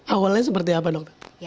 awalnya seperti apa dokter